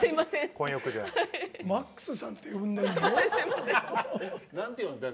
マックスさんって呼んでるんだ。